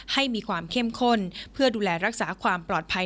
ให้มีความเข้มข้นเพื่อดูแลรักษาความปลอดภัย